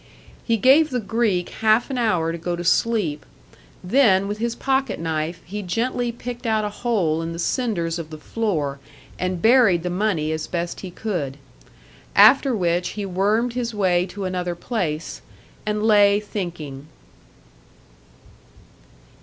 He gave the Greek half an hour to go to sleep, then with his pocket knife he gently picked out a hole in the cinders of the floor and buried the money as best he could. After which he wormed his way to another place, and lay thinking.